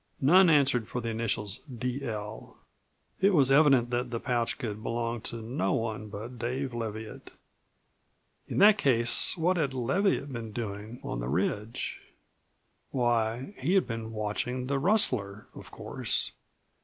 None answered for the initials "D. L." It was evident that the pouch could belong to no one but Dave Leviatt. In that case what had Leviatt been doing on the ridge? Why, he had been watching the rustler, of course.